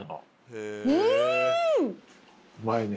うまいね。